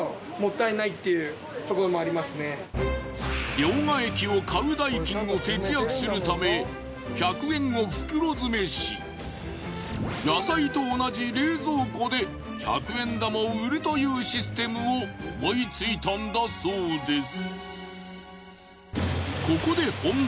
両替機を買う代金を節約するため１００円を袋詰めし野菜と同じ冷蔵庫で１００円玉を売るというシステムを思いついたんだそうです。